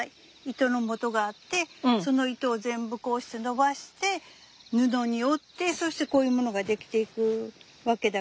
糸のもとがあってその糸を全部こうして伸ばして布に織ってそしてこういうものが出来ていくわけだけど。